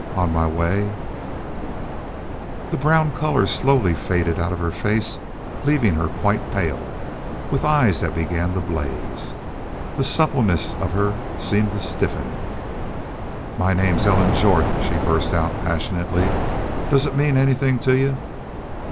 On my way " The brown color slowly faded out of her face, leaving her quite pale, with eyes that began to blaze. The suppleness of her seemed to stiffen. "My name's Ellen Jorth," she burst out, passionately. "Does it mean anythin' to y'u?"